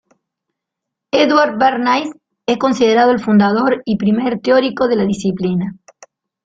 Edward Bernays es considerado el fundador y primer teórico de la disciplina.